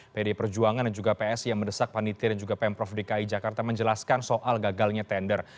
pdi perjuangan dan juga psi yang mendesak panitia dan juga pemprov dki jakarta menjelaskan soal gagalnya tender